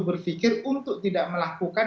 berpikir untuk tidak melakukan